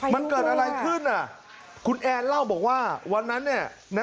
มันเกิดอะไรขึ้นคุณแอนเล่าบอกว่าวันนั้นเนี่ย